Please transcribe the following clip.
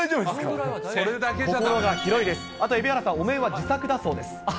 あと蛯原さん、お面は自作だそうです。